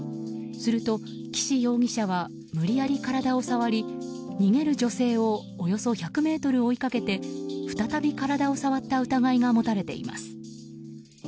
すると、岸容疑者は無理やり体を触り逃げる女性をおよそ１００ｍ追いかけて再び体を触った疑いが持たれています。